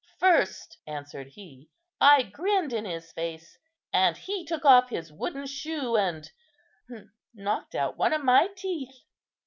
"First," answered he, "I grinned in his face, and he took off his wooden shoe, and knocked out one of my teeth."